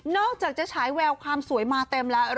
อกจากจะฉายแววความสวยมาเต็มแล้ว